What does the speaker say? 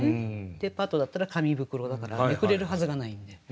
デパートだったら紙袋だからめくれるはずがないんで。